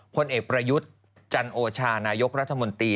พลเอกประยุทธ์จันโอชานายกรัฐมนตรี